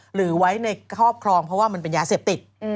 หรือไว้ในครอบครองเพราะว่ามันเป็นยาเสพติด